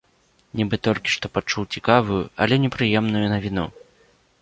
Нібы толькі што пачуў цікавую, але непрыемную навіну.